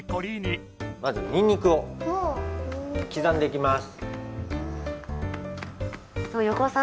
まずにんにくをきざんでいきます。